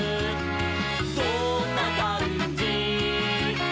どんなかんじ？」